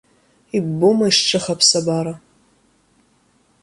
Иббома ишҿыха аԥсабара?